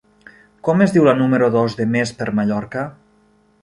Com es diu la número dos de Més per Mallorca?